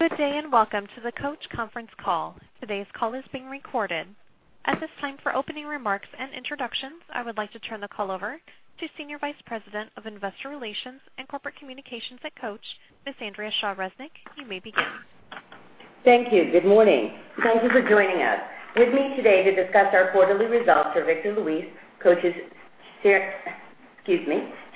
Good day, welcome to the Coach conference call. Today's call is being recorded. At this time, for opening remarks and introductions, I would like to turn the call over to Senior Vice President of Investor Relations and Corporate Communications at Coach, Ms. Andrea Shaw Resnick. You may begin. Thank you. Good morning. Thank you for joining us. With me today to discuss our quarterly results are Victor Luis, Coach's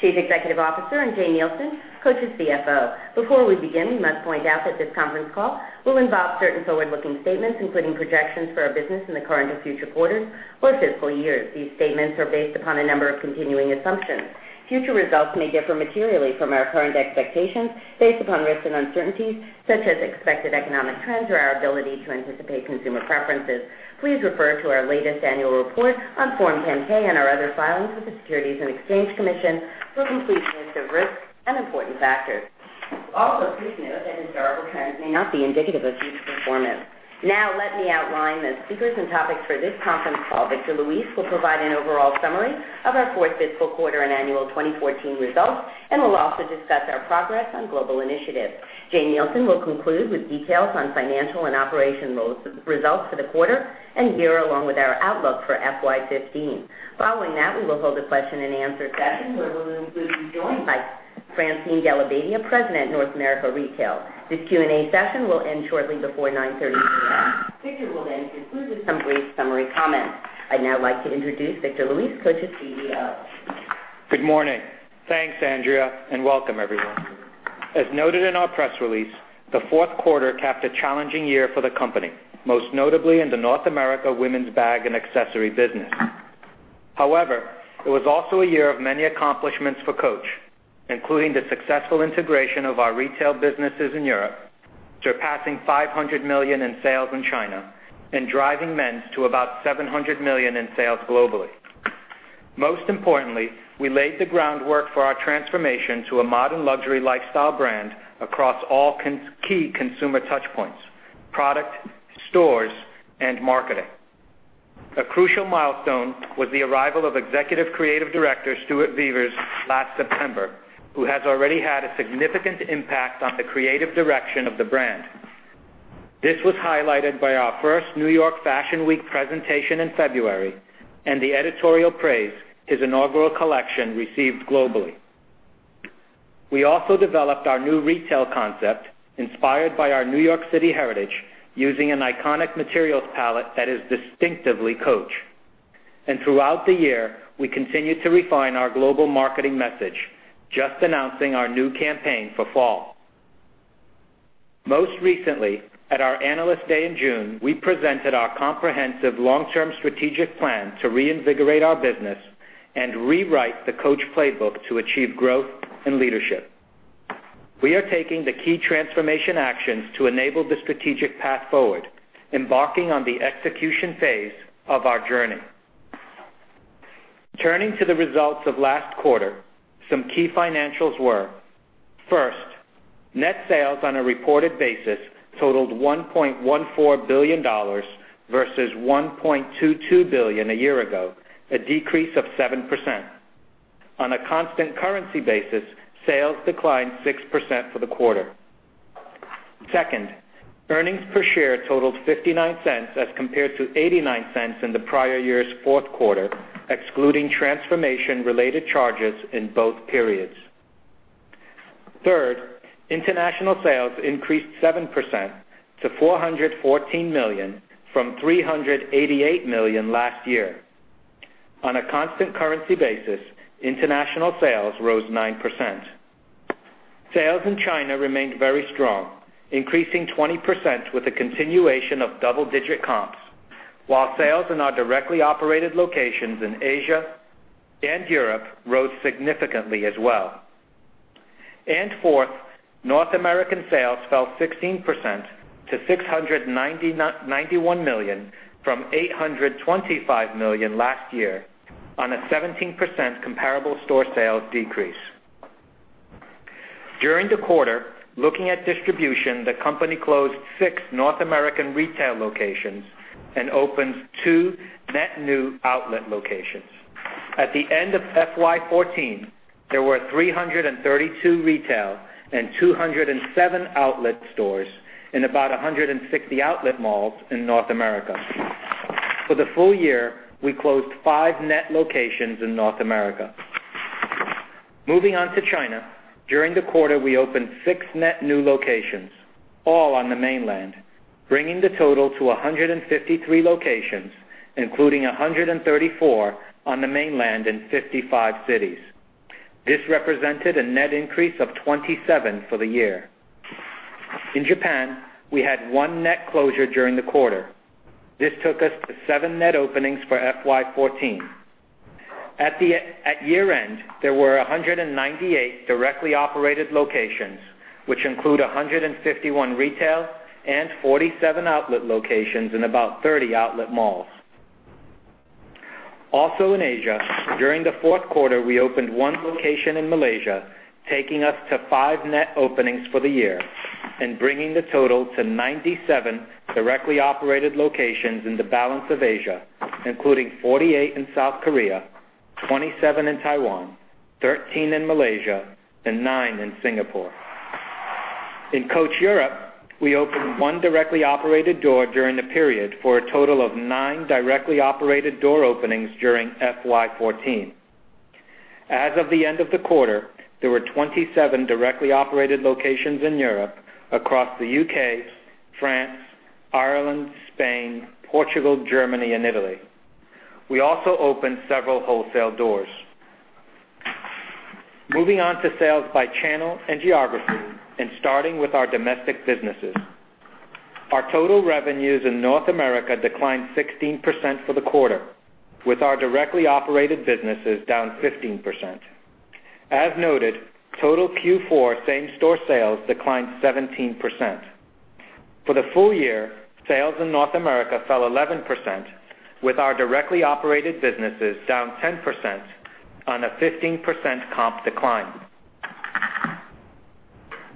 Chief Executive Officer, and Jane Nielsen, Coach's CFO. Before we begin, we must point out that this conference call will involve certain forward-looking statements, including projections for our business in the current and future quarters or fiscal years. These statements are based upon a number of continuing assumptions. Future results may differ materially from our current expectations based upon risks and uncertainties, such as expected economic trends or our ability to anticipate consumer preferences. Please refer to our latest annual report on Form 10-K and our other filings with the Securities and Exchange Commission for a complete list of risks and important factors. Also, please note that historical trends may not be indicative of future performance. Let me outline the speakers and topics for this conference call. Victor Luis will provide an overall summary of our fourth fiscal quarter and annual 2014 results and will also discuss our progress on global initiatives. Jane Nielsen will conclude with details on financial and operational results for the quarter and year, along with our outlook for FY 2015. Following that, we will hold a question-and-answer session, where we will include and be joined by Francine Della Badia, President, North America Retail. This Q&A session will end shortly before 9:30 A.M. Victor will conclude with some brief summary comments. I'd now like to introduce Victor Luis, Coach's CEO. Good morning. Thanks, Andrea. Welcome, everyone. As noted in our press release, the fourth quarter capped a challenging year for the company, most notably in the North America women's bag and accessory business. However, it was also a year of many accomplishments for Coach, including the successful integration of our retail businesses in Europe, surpassing $500 million in sales in China, and driving men's to about $700 million in sales globally. Most importantly, we laid the groundwork for our transformation to a modern luxury lifestyle brand across all key consumer touchpoints: product, stores, and marketing. A crucial milestone was the arrival of Executive Creative Director Stuart Vevers last September, who has already had a significant impact on the creative direction of the brand. This was highlighted by our first New York Fashion Week presentation in February and the editorial praise his inaugural collection received globally. We also developed our new retail concept inspired by our New York City heritage using an iconic materials palette that is distinctively Coach. Throughout the year, we continued to refine our global marketing message, just announcing our new campaign for fall. Most recently, at our Analyst Day in June, we presented our comprehensive long-term strategic plan to reinvigorate our business and rewrite the Coach playbook to achieve growth and leadership. We are taking the key transformation actions to enable the strategic path forward, embarking on the execution phase of our journey. Turning to the results of last quarter, some key financials were, First, net sales on a reported basis totaled $1.14 billion versus $1.22 billion a year ago, a decrease of 7%. On a constant currency basis, sales declined 6% for the quarter. Second, earnings per share totaled $0.59 as compared to $0.89 in the prior year's fourth quarter, excluding transformation-related charges in both periods. Third, international sales increased 7% to $414 million, from $388 million last year. On a constant currency basis, international sales rose 9%. Sales in China remained very strong, increasing 20% with a continuation of double-digit comps, while sales in our directly operated locations in Asia and Europe rose significantly as well. Fourth, North American sales fell 16% to $691 million from $825 million last year on a 17% comparable store sales decrease. During the quarter, looking at distribution, the company closed six North American retail locations and opened two net new outlet locations. At the end of FY 2014, there were 332 retail and 207 outlet stores in about 160 outlet malls in North America. For the full year, we closed five net locations in North America. Moving on to China. During the quarter, we opened six net new locations, all on the mainland, bringing the total to 153 locations, including 134 on the mainland in 55 cities. This represented a net increase of 27 for the year. In Japan, we had one net closure during the quarter. This took us to seven net openings for FY 2014. At year-end, there were 198 directly operated locations, which include 151 retail and 47 outlet locations in about 30 outlet malls. Also in Asia, during the fourth quarter, we opened one location in Malaysia, taking us to five net openings for the year. Bringing the total to 97 directly operated locations in the balance of Asia, including 48 in South Korea, 27 in Taiwan, 13 in Malaysia, and nine in Singapore. In Coach Europe, we opened one directly operated door during the period for a total of nine directly operated door openings during FY 2014. As of the end of the quarter, there were 27 directly operated locations in Europe across the U.K., France, Ireland, Spain, Portugal, Germany, and Italy. We also opened several wholesale doors. Moving on to sales by channel and geography, starting with our domestic businesses. Our total revenues in North America declined 16% for the quarter, with our directly operated businesses down 15%. As noted, total Q4 same-store sales declined 17%. For the full year, sales in North America fell 11%, with our directly operated businesses down 10% on a 15% comp decline.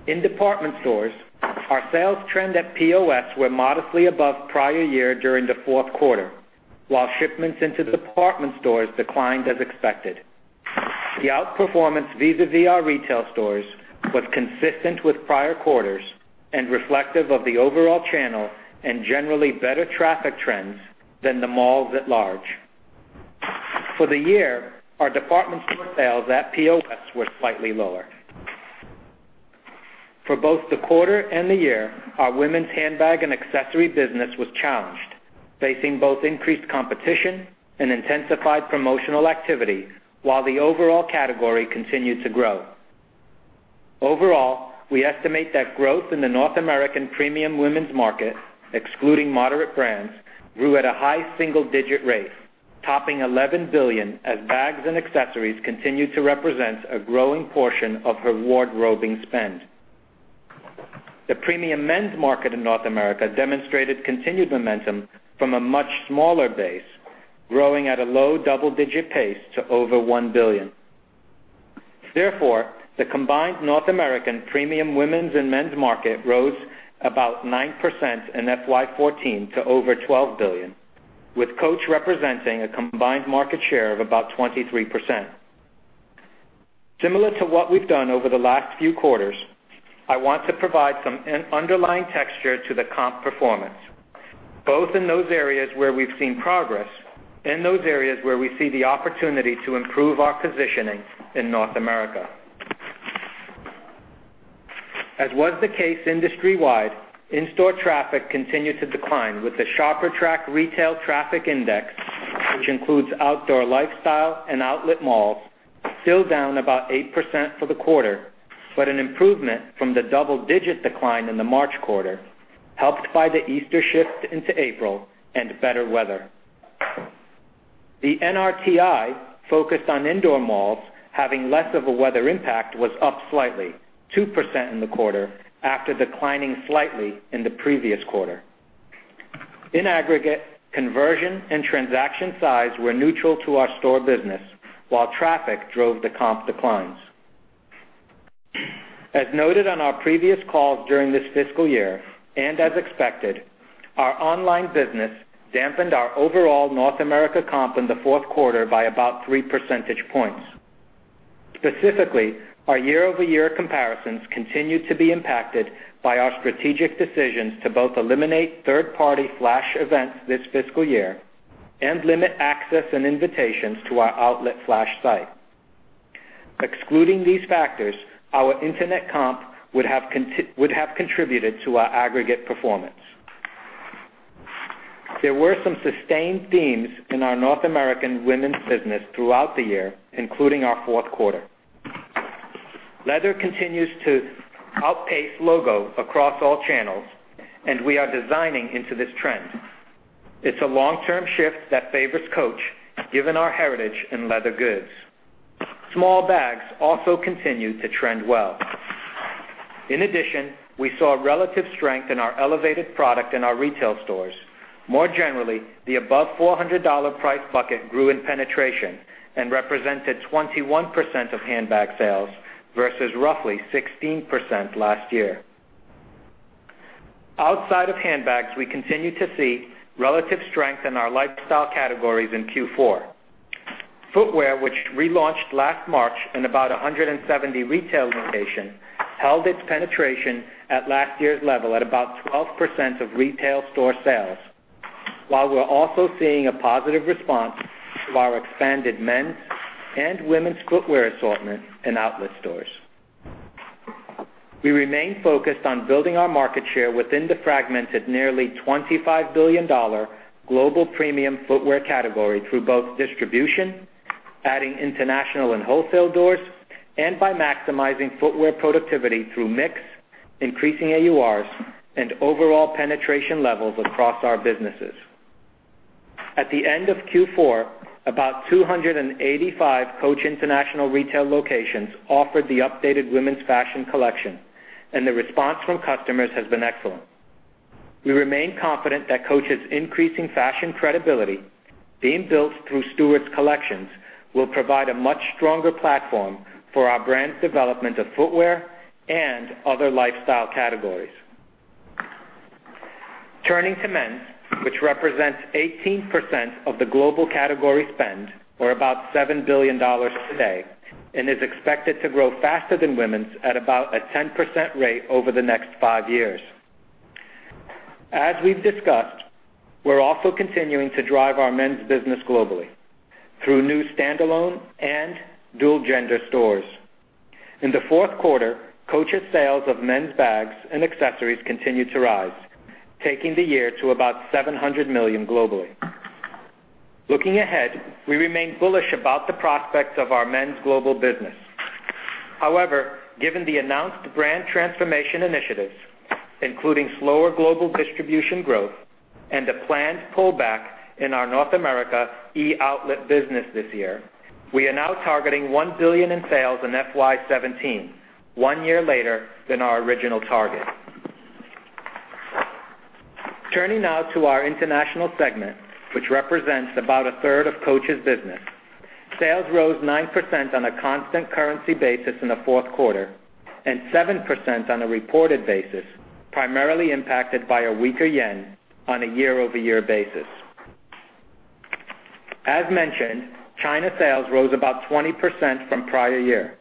In department stores, our sales trend at POS were modestly above prior year during the fourth quarter, while shipments into department stores declined as expected. The outperformance vis-a-vis our retail stores was consistent with prior quarters and reflective of the overall channel and generally better traffic trends than the malls at large. For the year, our department store sales at POS were slightly lower. For both the quarter and the year, our women's handbag and accessory business was challenged, facing both increased competition and intensified promotional activity while the overall category continued to grow. Overall, we estimate that growth in the North American premium women's market, excluding moderate brands, grew at a high single-digit rate, topping $11 billion as bags and accessories continued to represent a growing portion of her wardrobing spend. The premium men's market in North America demonstrated continued momentum from a much smaller base, growing at a low double-digit pace to over $1 billion. The combined North American premium women's and men's market rose about 9% in FY14 to over $12 billion, with Coach representing a combined market share of about 23%. Similar to what we've done over the last few quarters, I want to provide some underlying texture to the comp performance, both in those areas where we've seen progress and those areas where we see the opportunity to improve our positioning in North America. As was the case industry-wide, in-store traffic continued to decline with the ShopperTrak Retail Traffic Index, which includes outdoor lifestyle and outlet malls, still down about 8% for the quarter, but an improvement from the double-digit decline in the March quarter, helped by the Easter shift into April and better weather. The NRTI focused on indoor malls, having less of a weather impact, was up slightly, 2% in the quarter, after declining slightly in the previous quarter. In aggregate, conversion and transaction size were neutral to our store business while traffic drove the comp declines. As noted on our previous calls during this fiscal year, as expected, our online business dampened our overall North America comp in the fourth quarter by about three percentage points. Specifically, our year-over-year comparisons continued to be impacted by our strategic decisions to both eliminate third-party flash events this fiscal year and limit access and invitations to our outlet flash site. Excluding these factors, our internet comp would have contributed to our aggregate performance. There were some sustained themes in our North American women's business throughout the year, including our fourth quarter. Leather continues to outpace logo across all channels, and we are designing into this trend. It's a long-term shift that favors Coach, given our heritage in leather goods. Small bags also continue to trend well. We saw relative strength in our elevated product in our retail stores. More generally, the above $400 price bucket grew in penetration and represented 21% of handbag sales versus roughly 16% last year. Outside of handbags, we continued to see relative strength in our lifestyle categories in Q4. Footwear, which relaunched last March in about 170 retail locations, held its penetration at last year's level at about 12% of retail store sales. While we're also seeing a positive response to our expanded men's and women's footwear assortment in outlet stores. We remain focused on building our market share within the fragmented nearly $25 billion global premium footwear category through both distribution, adding international and wholesale doors, and by maximizing footwear productivity through mix, increasing AURs, and overall penetration levels across our businesses. At the end of Q4, about 285 Coach international retail locations offered the updated women's fashion collection, and the response from customers has been excellent. We remain confident that Coach's increasing fashion credibility being built through Stuart's collections will provide a much stronger platform for our brand's development of footwear and other lifestyle categories. Turning to men's, which represents 18% of the global category spend, or about $7 billion today, and is expected to grow faster than women's at about a 10% rate over the next five years. As we've discussed, we're also continuing to drive our men's business globally through new standalone and dual-gender stores. In the fourth quarter, Coach's sales of men's bags and accessories continued to rise, taking the year to about $700 million globally. Looking ahead, we remain bullish about the prospects of our men's global business. Given the announced brand transformation initiatives, including slower global distribution growth and a planned pullback in our North America e-outlet business this year, we are now targeting $1 billion in sales in FY17, one year later than our original target. Turning now to our international segment, which represents about a third of Coach's business. Sales rose 9% on a constant currency basis in the fourth quarter, and 7% on a reported basis, primarily impacted by a weaker yen on a year-over-year basis. As mentioned, China sales rose about 20% from prior year,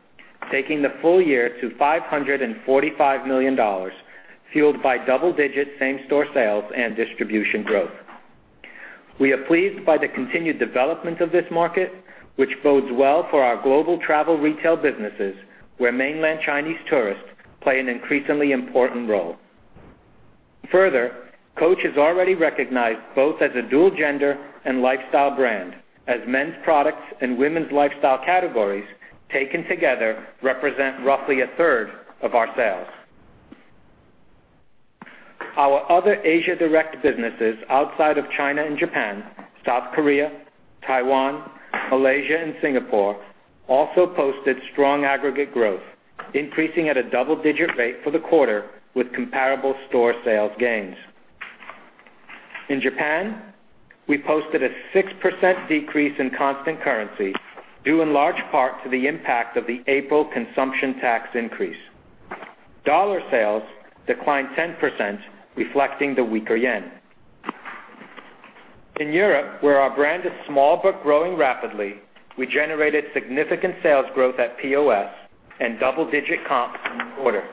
taking the full year to $545 million, fueled by double-digit same-store sales and distribution growth. We are pleased by the continued development of this market, which bodes well for our global travel retail businesses, where mainland Chinese tourists play an increasingly important role. Coach is already recognized both as a dual-gender and lifestyle brand, as men's products and women's lifestyle categories, taken together, represent roughly a third of our sales. Our other Asia direct businesses outside of China and Japan, South Korea, Taiwan, Malaysia, and Singapore, also posted strong aggregate growth, increasing at a double-digit rate for the quarter with comparable store sales gains. In Japan, we posted a 6% decrease in constant currency, due in large part to the impact of the April consumption tax increase. Dollar sales declined 10%, reflecting the weaker yen. In Europe, where our brand is small but growing rapidly, we generated significant sales growth at POS and double-digit comps in the quarter.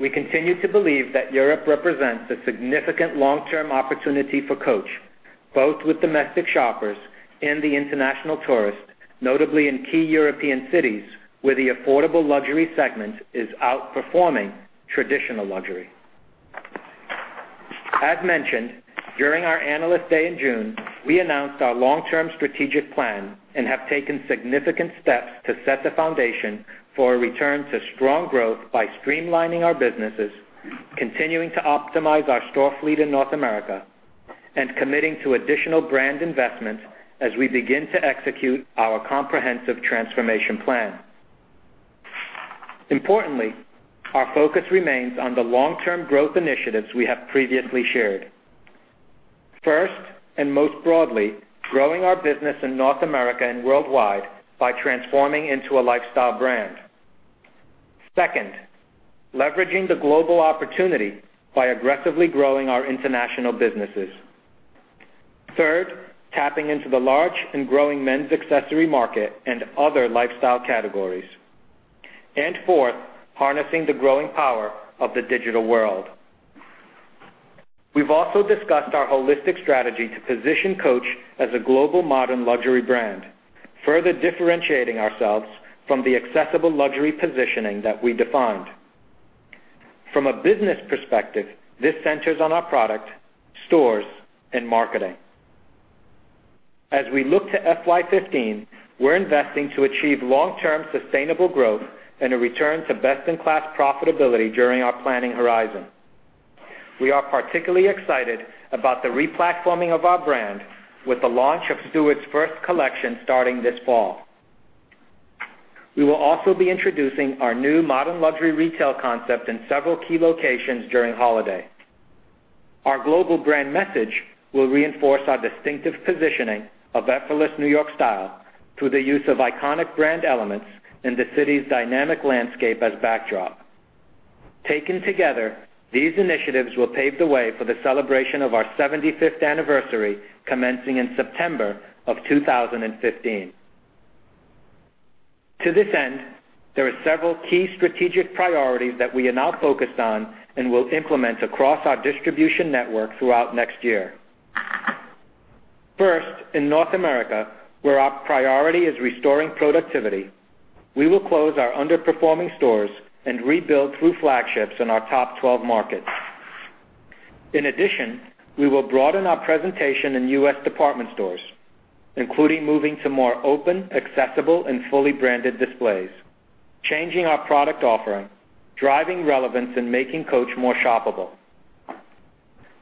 We continue to believe that Europe represents a significant long-term opportunity for Coach, both with domestic shoppers and the international tourists, notably in key European cities where the affordable luxury segment is outperforming traditional luxury. As mentioned, during our Analyst Day in June, we announced our long-term strategic plan and have taken significant steps to set the foundation for a return to strong growth by streamlining our businesses, continuing to optimize our store fleet in North America, and committing to additional brand investments as we begin to execute our comprehensive transformation plan. Our focus remains on the long-term growth initiatives we have previously shared. First, and most broadly, growing our business in North America and worldwide by transforming into a lifestyle brand. Second, leveraging the global opportunity by aggressively growing our international businesses. Third, tapping into the large and growing men's accessory market and other lifestyle categories. Fourth, harnessing the growing power of the digital world. We've also discussed our holistic strategy to position Coach as a global modern luxury brand, further differentiating ourselves from the accessible luxury positioning that we defined. From a business perspective, this centers on our product, stores, and marketing. As we look to FY 2015, we're investing to achieve long-term sustainable growth and a return to best-in-class profitability during our planning horizon. We are particularly excited about the re-platforming of our brand with the launch of Stuart's first collection starting this fall. We will also be introducing our new modern luxury retail concept in several key locations during holiday. Our global brand message will reinforce our distinctive positioning of effortless New York style through the use of iconic brand elements in the city's dynamic landscape as backdrop. Taken together, these initiatives will pave the way for the celebration of our 75th anniversary, commencing in September of 2015. To this end, there are several key strategic priorities that we are now focused on and will implement across our distribution network throughout next year. First, in North America, where our priority is restoring productivity, we will close our underperforming stores and rebuild through flagships in our top 12 markets. In addition, we will broaden our presentation in U.S. department stores, including moving to more open, accessible, and fully branded displays, changing our product offering, driving relevance, and making Coach more shoppable.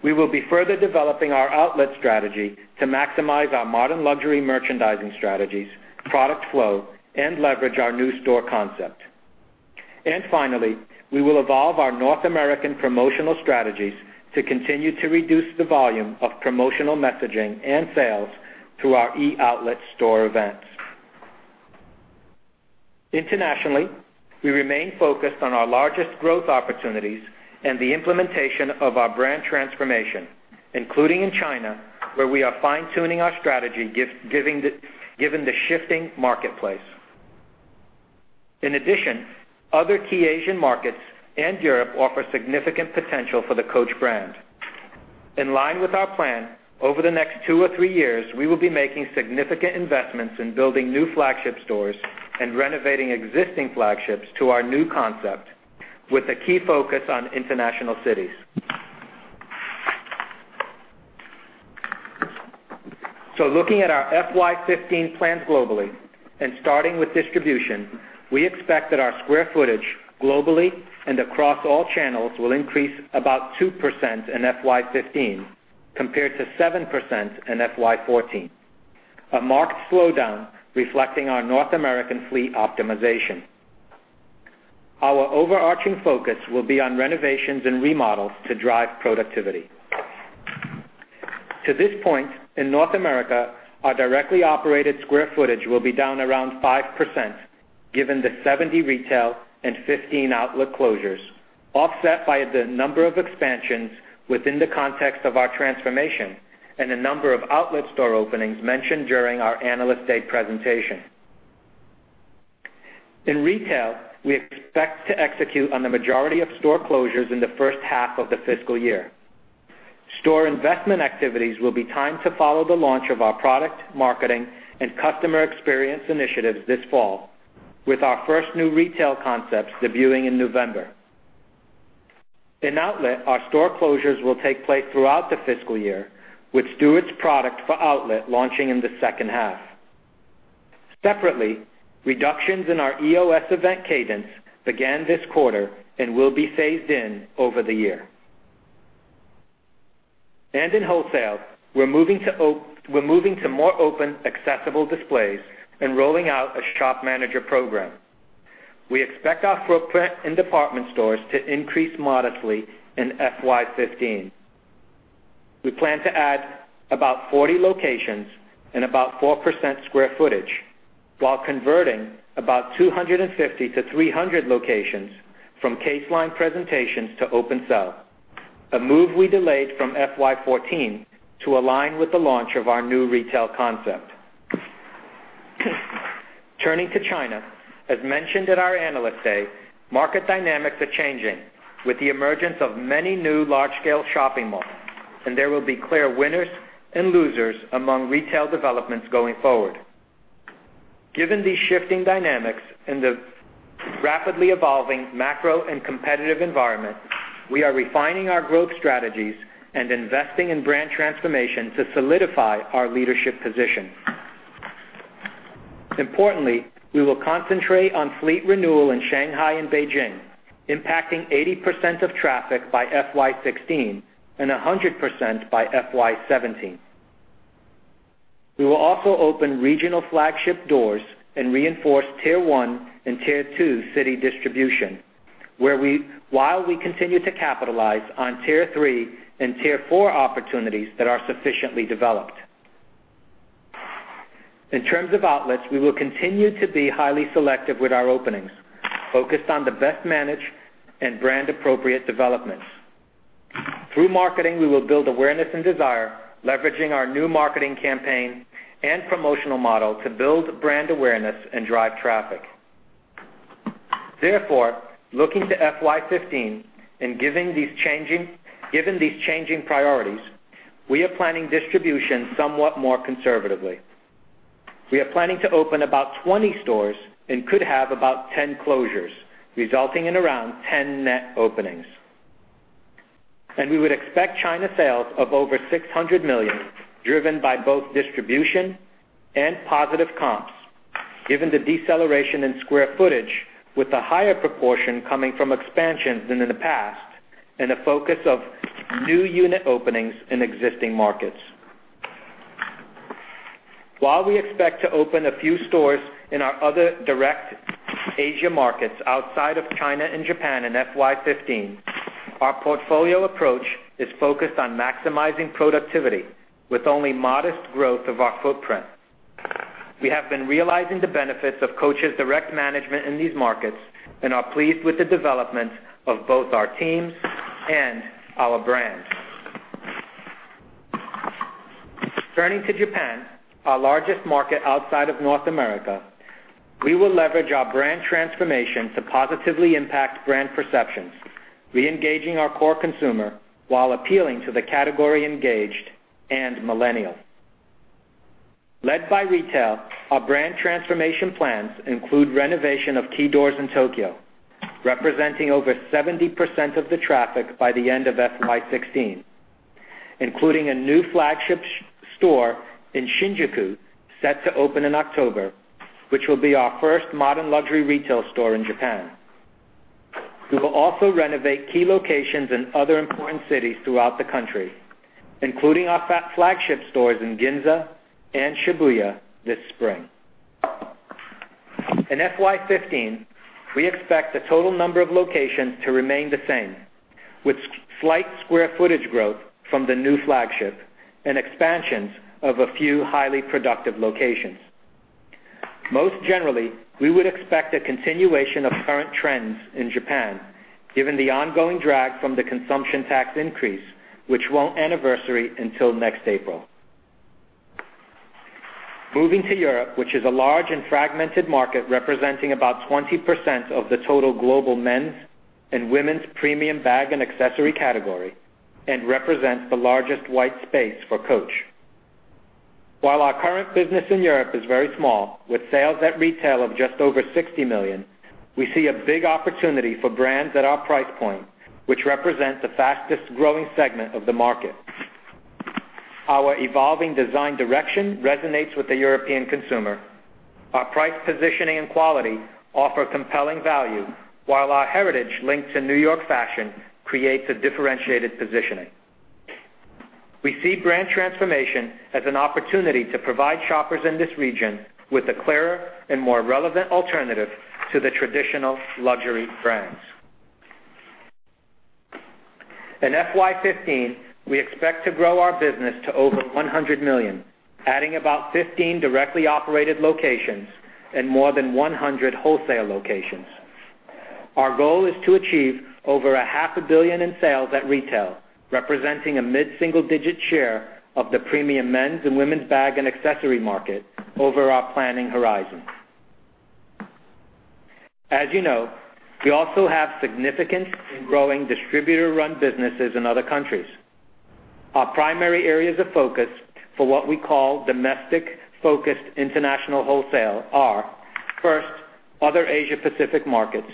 We will be further developing our outlet strategy to maximize our modern luxury merchandising strategies, product flow, and leverage our new store concept. Finally, we will evolve our North American promotional strategies to continue to reduce the volume of promotional messaging and sales through our e-outlet store events. Internationally, we remain focused on our largest growth opportunities and the implementation of our brand transformation, including in China, where we are fine-tuning our strategy, given the shifting marketplace. In addition, other key Asian markets and Europe offer significant potential for the Coach brand. In line with our plan, over the next two or three years, we will be making significant investments in building new flagship stores and renovating existing flagships to our new concept, with a key focus on international cities. Looking at our FY 2015 plans globally and starting with distribution, we expect that our square footage globally and across all channels will increase about 2% in FY 2015 compared to 7% in FY 2014, a marked slowdown reflecting our North American fleet optimization. Our overarching focus will be on renovations and remodels to drive productivity. To this point, in North America, our directly operated square footage will be down around 5%, given the 70 retail and 15 outlet closures, offset by the number of expansions within the context of our transformation and the number of outlet store openings mentioned during our Analyst Day presentation. In retail, we expect to execute on the majority of store closures in the first half of the fiscal year. Store investment activities will be timed to follow the launch of our product, marketing, and customer experience initiatives this fall, with our first new retail concepts debuting in November. In outlet, our store closures will take place throughout the fiscal year, with Stuart's product for outlet launching in the second half. Separately, reductions in our EOS event cadence began this quarter and will be phased in over the year. In wholesale, we're moving to more open, accessible displays and rolling out a shop manager program. We expect our footprint in department stores to increase modestly in FY 2015. We plan to add about 40 locations and about 4% square footage while converting about 250 to 300 locations from case line presentations to open sell, a move we delayed from FY 2014 to align with the launch of our new retail concept. Turning to China, as mentioned at our Analyst Day, market dynamics are changing with the emergence of many new large-scale shopping malls. There will be clear winners and losers among retail developments going forward. Given these shifting dynamics and the rapidly evolving macro and competitive environment, we are refining our growth strategies and investing in brand transformation to solidify our leadership position. Importantly, we will concentrate on fleet renewal in Shanghai and Beijing, impacting 80% of traffic by FY 2016 and 100% by FY 2017. We will also open regional flagship doors and reinforce tier 1 and tier 2 city distribution, while we continue to capitalize on tier 3 and tier 4 opportunities that are sufficiently developed. In terms of outlets, we will continue to be highly selective with our openings, focused on the best managed and brand-appropriate developments. Through marketing, we will build awareness and desire, leveraging our new marketing campaign and promotional model to build brand awareness and drive traffic. Looking to FY 2015 and given these changing priorities, we are planning distribution somewhat more conservatively. We are planning to open about 20 stores and could have about 10 closures, resulting in around 10 net openings. We would expect China sales of over $600 million, driven by both distribution and positive comps, given the deceleration in square footage with a higher proportion coming from expansions than in the past and a focus of new unit openings in existing markets. While we expect to open a few stores in our other direct Asia markets outside of China and Japan in FY 2015, our portfolio approach is focused on maximizing productivity with only modest growth of our footprint. We have been realizing the benefits of Coach's direct management in these markets and are pleased with the development of both our teams and our brands. Turning to Japan, our largest market outside of North America, we will leverage our brand transformation to positively impact brand perceptions, re-engaging our core consumer while appealing to the category-engaged and millennials. Led by retail, our brand transformation plans include renovation of key doors in Tokyo, representing over 70% of the traffic by the end of FY 2016, including a new flagship store in Shinjuku set to open in October, which will be our first modern luxury retail store in Japan. We will also renovate key locations in other important cities throughout the country, including our flagship stores in Ginza and Shibuya this spring. In FY 2015, we expect the total number of locations to remain the same, with slight square footage growth from the new flagship and expansions of a few highly productive locations. Most generally, we would expect a continuation of current trends in Japan, given the ongoing drag from the consumption tax increase, which won't anniversary until next April. Moving to Europe, which is a large and fragmented market representing about 20% of the total global men's and women's premium bag and accessory category and represents the largest white space for Coach. While our current business in Europe is very small, with sales at retail of just over $60 million, we see a big opportunity for brands at our price point, which represent the fastest-growing segment of the market. Our evolving design direction resonates with the European consumer. Our price positioning and quality offer compelling value, while our heritage linked to New York fashion creates a differentiated positioning. We see brand transformation as an opportunity to provide shoppers in this region with a clearer and more relevant alternative to the traditional luxury brands. In FY 2015, we expect to grow our business to over $100 million, adding about 15 directly operated locations and more than 100 wholesale locations. Our goal is to achieve over a half a billion in sales at retail, representing a mid-single-digit share of the premium men's and women's bag and accessory market over our planning horizon. As you know, we also have significant and growing distributor-run businesses in other countries. Our primary areas of focus for what we call domestic-focused international wholesale are, first, other Asia Pacific markets,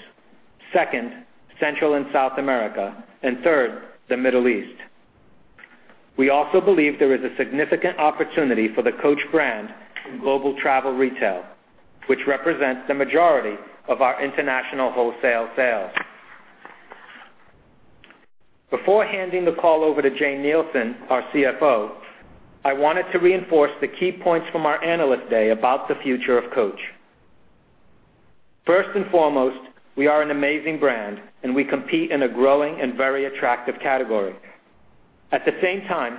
second, Central and South America, and third, the Middle East. We also believe there is a significant opportunity for the Coach brand in global travel retail, which represents the majority of our international wholesale sales. Before handing the call over to Jane Nielsen, our CFO, I wanted to reinforce the key points from our Analyst Day about the future of Coach. First and foremost, we are an amazing brand, and we compete in a growing and very attractive category. At the same time,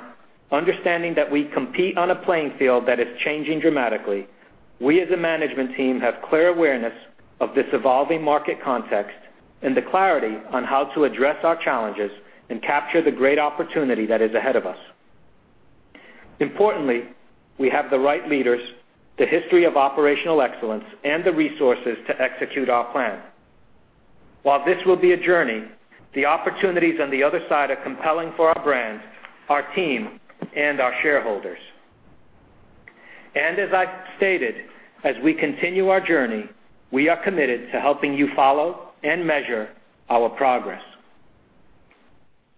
understanding that we compete on a playing field that is changing dramatically, we, as a management team, have clear awareness of this evolving market context and the clarity on how to address our challenges and capture the great opportunity that is ahead of us. Importantly, we have the right leaders, the history of operational excellence, and the resources to execute our plan. While this will be a journey, the opportunities on the other side are compelling for our brand, our team, and our shareholders. As I've stated, as we continue our journey, we are committed to helping you follow and measure our progress.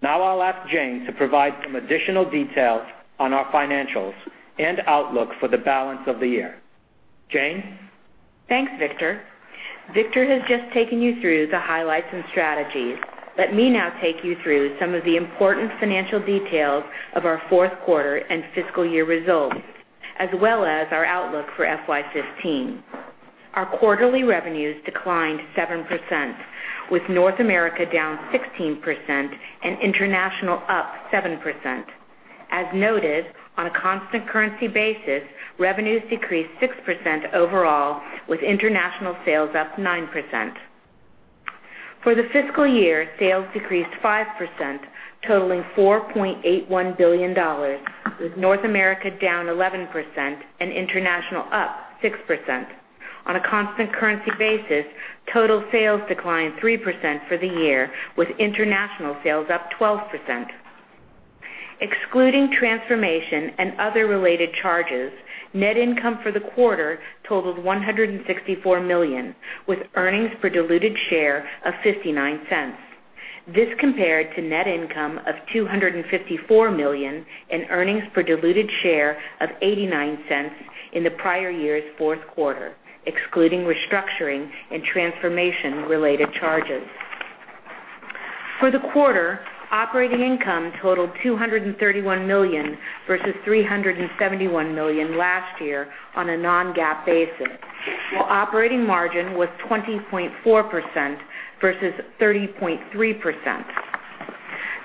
Now I'll ask Jane to provide some additional details on our financials and outlook for the balance of the year. Jane? Thanks, Victor. Victor has just taken you through the highlights and strategies. Let me now take you through some of the important financial details of our fourth quarter and fiscal year results, as well as our outlook for FY 2015. Our quarterly revenues declined 7%, with North America down 16% and international up 7%. As noted, on a constant currency basis, revenues decreased 6% overall, with international sales up 9%. For the fiscal year, sales decreased 5%, totaling $4.81 billion, with North America down 11% and international up 6%. On a constant currency basis, total sales declined 3% for the year, with international sales up 12%. Excluding transformation and other related charges, net income for the quarter totaled $164 million, with earnings per diluted share of $0.59. This compared to net income of $254 million and earnings per diluted share of $0.89 in the prior year's fourth quarter, excluding restructuring and transformation-related charges. For the quarter, operating income totaled $231 million versus $371 million last year on a non-GAAP basis, while operating margin was 20.4% versus 30.3%.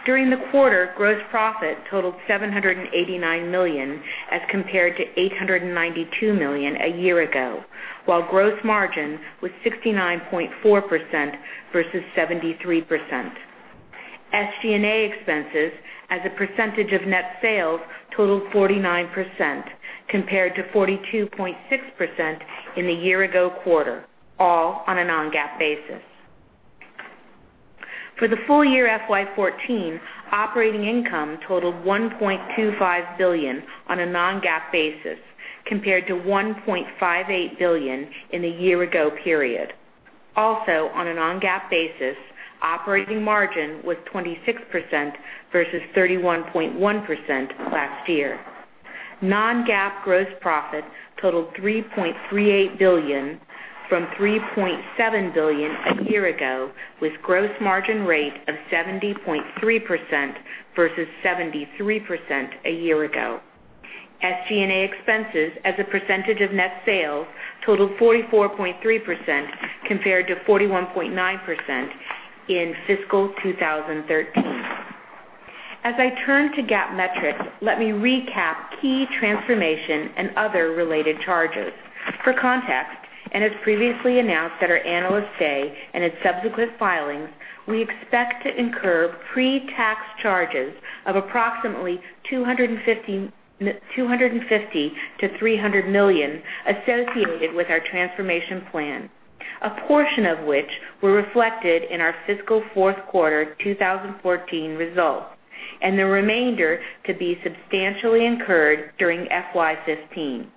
During the quarter, gross profit totaled $789 million as compared to $892 million a year ago, while gross margin was 69.4% versus 73%. SG&A expenses as a percentage of net sales totaled 49%, compared to 42.6% in the year-ago quarter, all on a non-GAAP basis. For the full year FY 2014, operating income totaled $1.25 billion on a non-GAAP basis compared to $1.58 billion in the year-ago period. Also, on a non-GAAP basis, operating margin was 26% versus 31.1% last year. non-GAAP gross profits totaled $3.38 billion from $3.7 billion a year ago, with gross margin rate of 70.3% versus 73% a year ago. SG&A expenses as a percentage of net sales totaled 44.3%, compared to 41.9% in fiscal 2013. As I turn to GAAP metrics, let me recap key transformation and other related charges. For context, as previously announced at our Analyst Day and in subsequent filings, we expect to incur pre-tax charges of approximately $250 million-$300 million associated with our transformation plan. A portion of which were reflected in our fiscal fourth quarter 2014 results, and the remainder to be substantially incurred during FY 2015.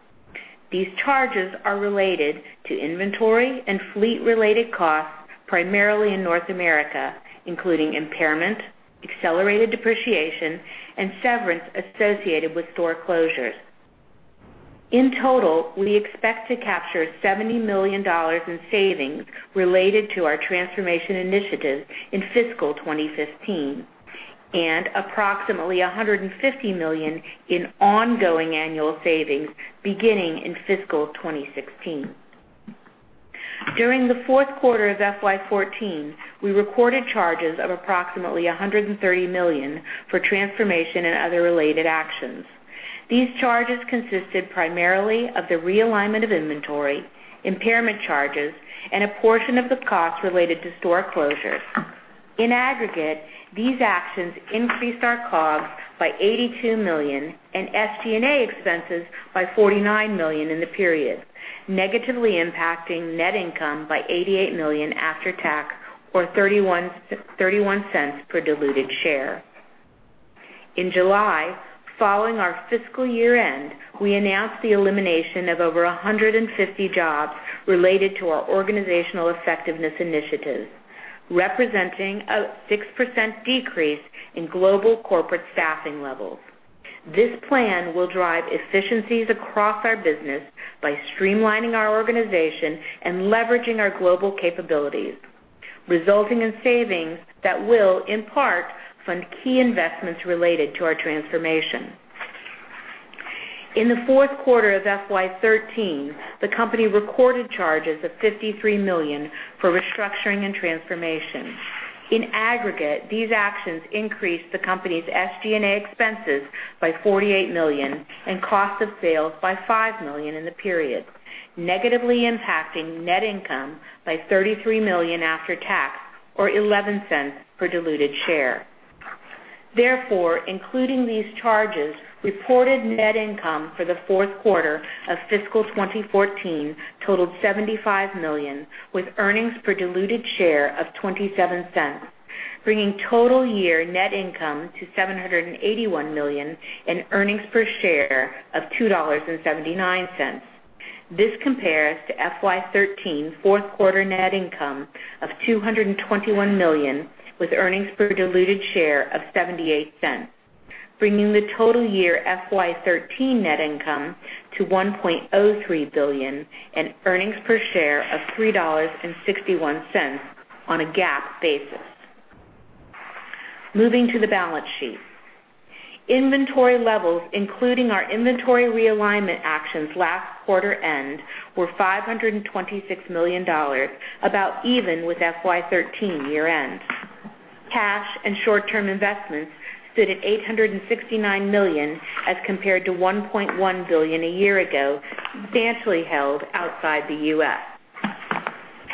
These charges are related to inventory and fleet-related costs primarily in North America, including impairment, accelerated depreciation, and severance associated with store closures. In total, we expect to capture $70 million in savings related to our transformation initiatives in fiscal 2015, and approximately $150 million in ongoing annual savings beginning in fiscal 2016. During the fourth quarter of FY 2014, we recorded charges of approximately $130 million for transformation and other related actions. These charges consisted primarily of the realignment of inventory, impairment charges, and a portion of the costs related to store closures. In aggregate, these actions increased our COGS by $82 million and SG&A expenses by $49 million in the period, negatively impacting net income by $88 million after tax, or $0.31 per diluted share. In July, following our fiscal year-end, we announced the elimination of over 150 jobs related to our organizational effectiveness initiatives, representing a 6% decrease in global corporate staffing levels. This plan will drive efficiencies across our business by streamlining our organization and leveraging our global capabilities, resulting in savings that will, in part, fund key investments related to our transformation. In the fourth quarter of FY 2013, the company recorded charges of $53 million for restructuring and transformation. In aggregate, these actions increased the company's SG&A expenses by $48 million and cost of sales by $5 million in the period, negatively impacting net income by $33 million after tax, or $0.11 per diluted share. Therefore, including these charges, reported net income for the fourth quarter of fiscal 2014 totaled $75 million, with earnings per diluted share of $0.27, bringing total year net income to $781 million and earnings per share of $2.79. This compares to FY 2013 fourth-quarter net income of $221 million with earnings per diluted share of $0.78, bringing the total year FY 2013 net income to $1.03 billion and earnings per share of $3.61 on a GAAP basis. Moving to the balance sheet. Inventory levels, including our inventory realignment actions last quarter end, were $526 million, about even with FY 2013 year-end. Cash and short-term investments stood at $869 million as compared to $1.1 billion a year ago, substantially held outside the U.S.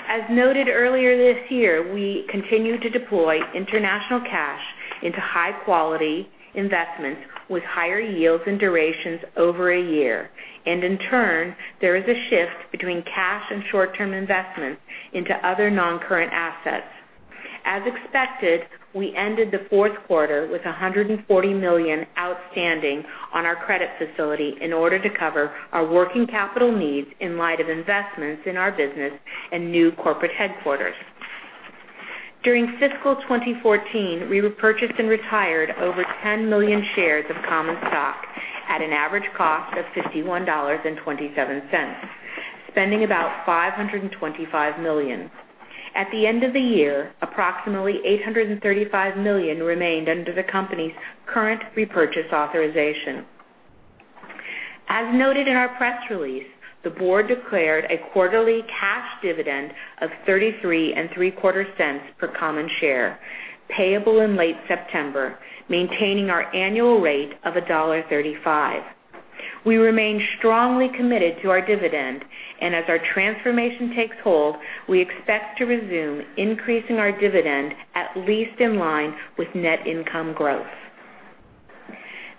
As noted earlier this year, we continue to deploy international cash into high-quality investments with higher yields and durations over a year. In turn, there is a shift between cash and short-term investments into other non-current assets. As expected, we ended the fourth quarter with $140 million outstanding on our credit facility in order to cover our working capital needs in light of investments in our business and new corporate headquarters. During fiscal 2014, we repurchased and retired over 10 million shares of common stock at an average cost of $51.27, spending about $525 million. At the end of the year, approximately $835 million remained under the company's current repurchase authorization. As noted in our press release, the board declared a quarterly cash dividend of $0.3375 per common share, payable in late September, maintaining our annual rate of $1.35. We remain strongly committed to our dividend. As our transformation takes hold, we expect to resume increasing our dividend at least in line with net income growth.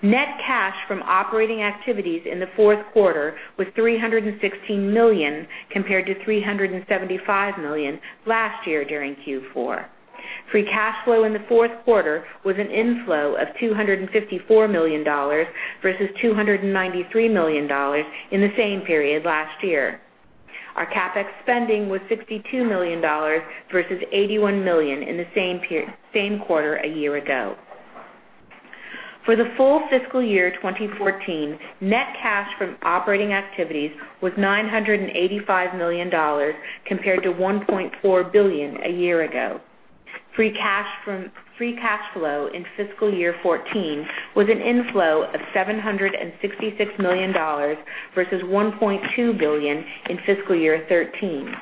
Net cash from operating activities in the fourth quarter was $316 million, compared to $375 million last year during Q4. Free cash flow in the fourth quarter was an inflow of $254 million versus $293 million in the same period last year. Our CapEx spending was $62 million versus $81 million in the same quarter a year ago. For the full fiscal year 2014, net cash from operating activities was $985 million compared to $1.4 billion a year ago. Free cash flow in fiscal year 2014 was an inflow of $766 million versus $1.2 billion in fiscal year 2013.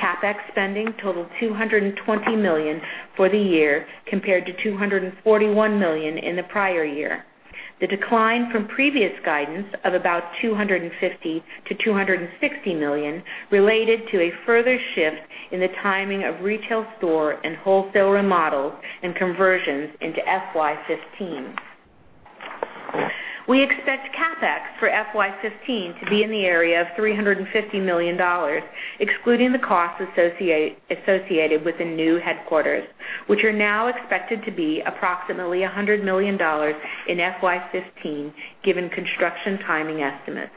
CapEx spending totaled $220 million for the year compared to $241 million in the prior year. The decline from previous guidance of about $250 million-$260 million related to a further shift in the timing of retail store and wholesale remodels and conversions into FY 2015. We expect CapEx for FY 2015 to be in the area of $350 million, excluding the cost associated with the new headquarters, which are now expected to be approximately $100 million in FY 2015, given construction timing estimates.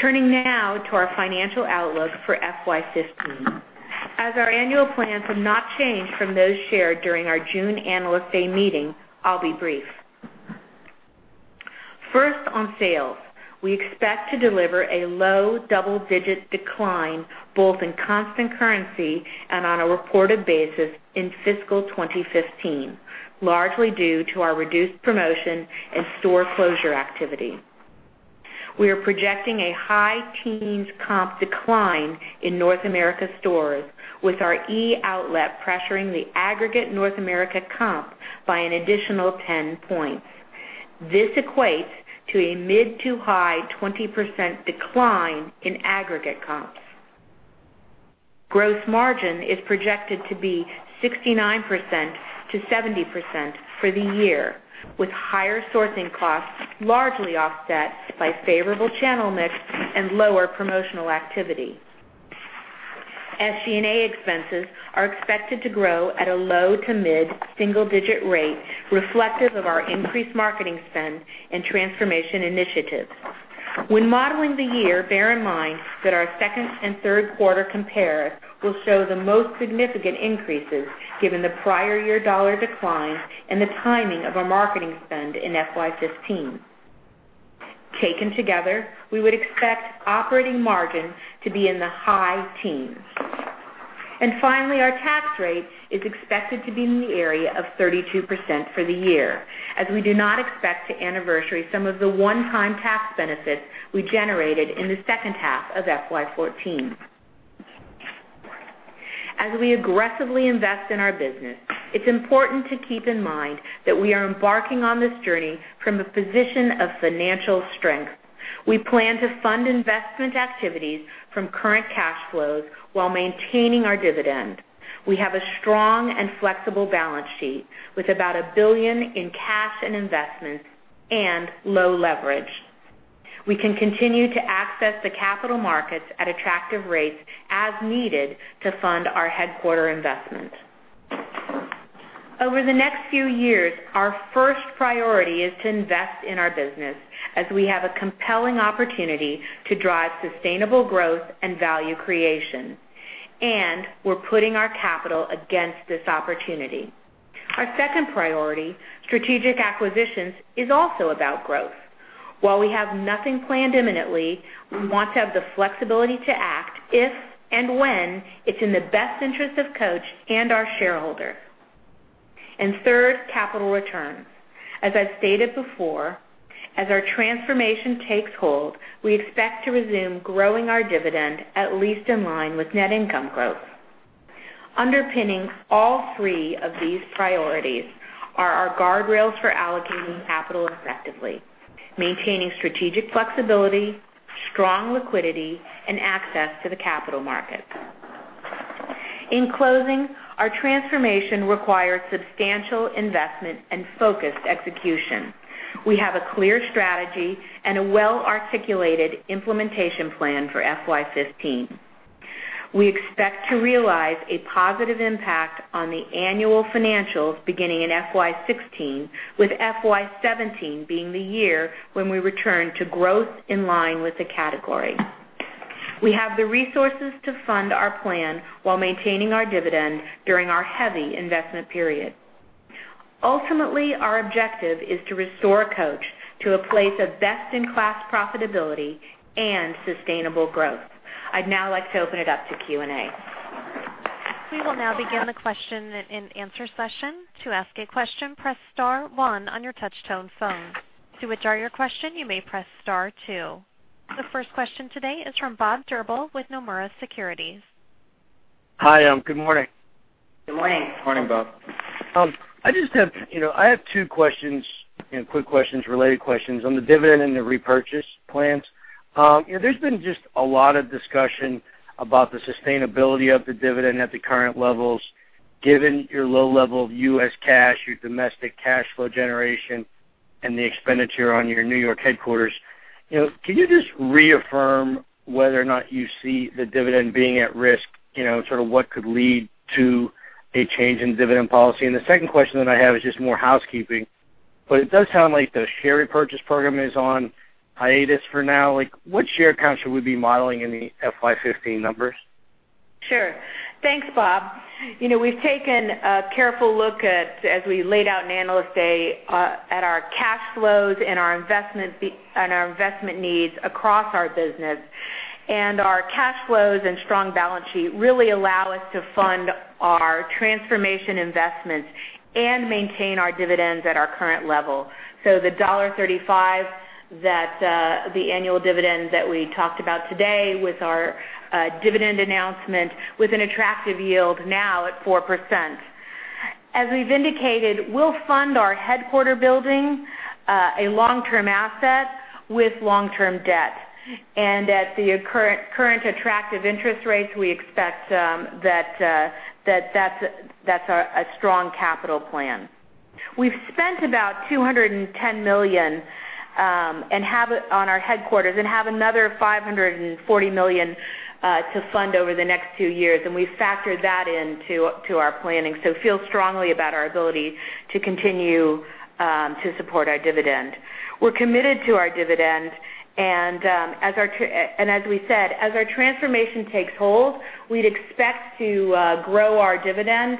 Turning now to our financial outlook for FY 2015. As our annual plans have not changed from those shared during our June Analyst Day meeting, I'll be brief. First, on sales, we expect to deliver a low double-digit decline, both in constant currency and on a reported basis in fiscal 2015, largely due to our reduced promotion and store closure activity. We are projecting a high teens comp decline in North America stores with our e-outlet pressuring the aggregate North America comp by an additional 10 points. This equates to a mid to high 20% decline in aggregate comps. Gross margin is projected to be 69%-70% for the year, with higher sourcing costs largely offset by favorable channel mix and lower promotional activity. SG&A expenses are expected to grow at a low to mid-single digit rate reflective of our increased marketing spend and transformation initiatives. When modeling the year, bear in mind that our second and third quarter compares will show the most significant increases given the prior year dollar declines and the timing of our marketing spend in FY 2015. Taken together, we would expect operating margin to be in the high teens. Finally, our tax rate is expected to be in the area of 32% for the year, as we do not expect to anniversary some of the one-time tax benefits we generated in the second half of FY 2014. As we aggressively invest in our business, it's important to keep in mind that we are embarking on this journey from a position of financial strength. We plan to fund investment activities from current cash flows while maintaining our dividend. We have a strong and flexible balance sheet with about $1 billion in cash and investments and low leverage. We can continue to access the capital markets at attractive rates as needed to fund our headquarter investment. Over the next few years, our first priority is to invest in our business as we have a compelling opportunity to drive sustainable growth and value creation, and we're putting our capital against this opportunity. Our second priority, strategic acquisitions, is also about growth. While we have nothing planned imminently, we want to have the flexibility to act if and when it's in the best interest of Coach and our shareholders. Third, capital returns. As I've stated before, as our transformation takes hold, we expect to resume growing our dividend at least in line with net income growth. Underpinning all three of these priorities are our guardrails for allocating capital effectively, maintaining strategic flexibility, strong liquidity, and access to the capital markets. In closing, our transformation requires substantial investment and focused execution. We have a clear strategy and a well-articulated implementation plan for FY 2015. We expect to realize a positive impact on the annual financials beginning in FY 2016, with FY 2017 being the year when we return to growth in line with the category. We have the resources to fund our plan while maintaining our dividend during our heavy investment period. Ultimately, our objective is to restore Coach to a place of best-in-class profitability and sustainable growth. I'd now like to open it up to Q&A. We will now begin the question and answer session. To ask a question, press star one on your touch-tone phone. To withdraw your question, you may press star two. The first question today is from Bob Drbul with Nomura Securities. Hi, good morning. Good morning. Morning, Bob. I have two questions, quick questions, related questions on the dividend and the repurchase plans. There's been just a lot of discussion about the sustainability of the dividend at the current levels, given your low level of U.S. cash, your domestic cash flow generation, and the expenditure on your New York headquarters. Can you just reaffirm whether or not you see the dividend being at risk, sort of what could lead to a change in dividend policy? The second question that I have is just more housekeeping. It does sound like the share repurchase program is on hiatus for now. What share count should we be modeling in the FY 2015 numbers? Sure. Thanks, Bob. We've taken a careful look at, as we laid out in Analyst Day, at our cash flows and our investment needs across our business. Our cash flows and strong balance sheet really allow us to fund our transformation investments and maintain our dividends at our current level. The $1.35, the annual dividend that we talked about today with our dividend announcement, with an attractive yield now at 4%. As we've indicated, we'll fund our headquarter building, a long-term asset, with long-term debt. At the current attractive interest rates, we expect that's a strong capital plan. We've spent about $210 million on our headquarters and have another $540 million to fund over the next two years, and we've factored that into our planning. Feel strongly about our ability to continue to support our dividend. We're committed to our dividend, and as we said, as our transformation takes hold, we'd expect to grow our dividend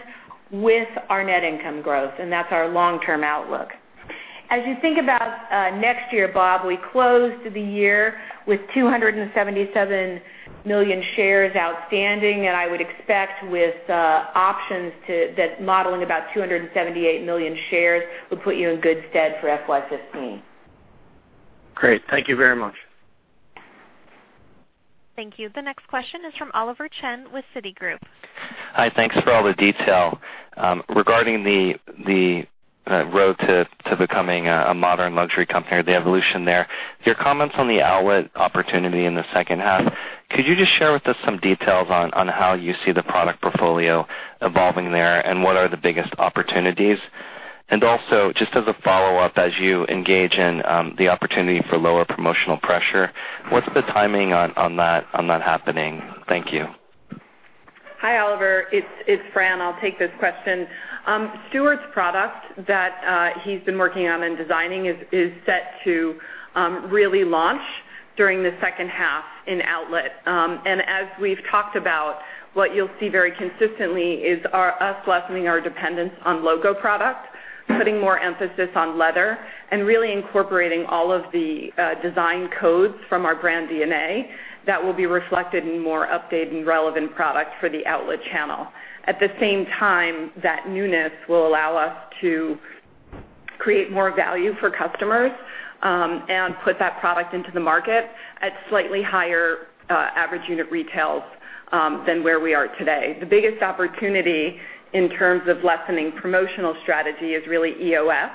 with our net income growth, and that's our long-term outlook. As you think about next year, Bob, we closed the year with 277 million shares outstanding, and I would expect with options that modeling about 278 million shares would put you in good stead for FY 2015. Great. Thank you very much. Thank you. The next question is from Oliver Chen with Citigroup. Hi. Thanks for all the detail. Regarding the road to becoming a modern luxury company or the evolution there, your comments on the outlet opportunity in the second half, could you just share with us some details on how you see the product portfolio evolving there, and what are the biggest opportunities? Also, just as a follow-up, as you engage in the opportunity for lower promotional pressure, what's the timing on that happening? Thank you. Hi, Oliver. It's Fran. I'll take this question. Stuart's product that he's been working on and designing is set to really launch during the second half in outlet. As we've talked about, what you'll see very consistently is us lessening our dependence on logo product, putting more emphasis on leather, and really incorporating all of the design codes from our brand DNA that will be reflected in more updated and relevant product for the outlet channel. At the same time, that newness will allow us to create more value for customers and put that product into the market at slightly higher average unit retails than where we are today. The biggest opportunity in terms of lessening promotional strategy is really EOS.